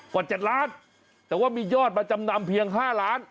กว่า๗ล้านแต่ว่ามียอดมาจำนำเพียง๕ล้าน